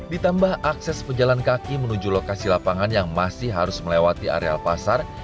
ditambah akses pejalan kaki menuju lokasi lapangan yang masih harus melewati areal pasar